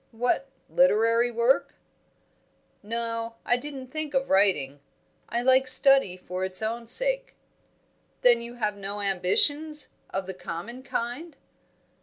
"What, literary work?" "No; I didn't think of writing. I like study for its own sake." "Then you have no ambitions, of the common kind?"